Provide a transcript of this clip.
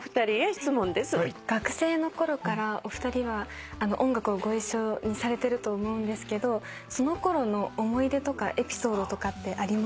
学生のころからお二人は音楽をご一緒にされてると思うんですけどそのころの思い出とかエピソードとかってありますか？